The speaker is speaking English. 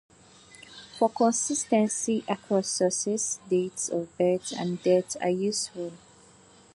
For consistency across sources, dates of birth and death are useful.